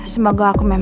semoga aku memang siap